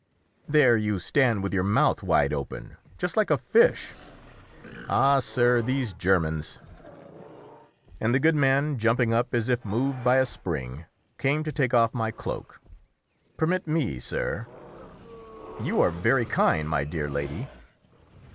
There you stand with your mouth wide open, just like a fish. Ah, sir, these Germans!" And the good man, jumping up as if moved by a spring, came to take off my cloak. "Permit me, sir." "You are very kind, my dear lady."